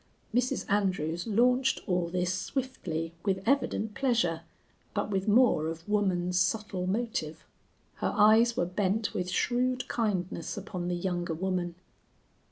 Mrs. Andrews launched all this swiftly, with evident pleasure, but with more of woman's subtle motive. Her eyes were bent with shrewd kindness upon the younger woman.